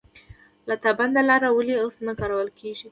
لاتابند لاره ولې اوس نه کارول کیږي؟